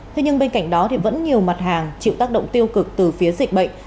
thế nhưng bên cạnh đó vẫn nhiều mặt hàng chịu tác động tiêu cực từ phía dịch bệnh